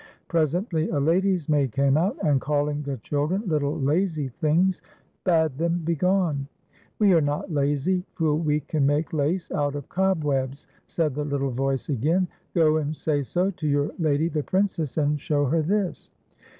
Presently a lady's maid came out, and calling the children little lazy things, bade them begone. " We are not lazy, for we can make lace out of cob FAIA'i: : AXD BROirX/E. i8s webs," said the little voice again ;" go and sa}' so to \oiir lady the Princess, and show her this."